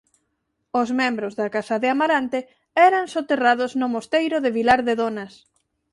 Os membros da Casa de Amarante eran soterrados no mosteiro de Vilar de Donas.